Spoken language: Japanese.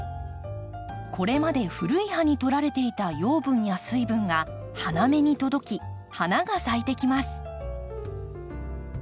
これまで古い葉にとられていた養分や水分が花芽に届き花が咲いてきます。